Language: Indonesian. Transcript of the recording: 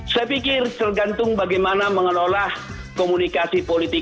saya pikir tergantung bagaimana mengelola komunikasi politik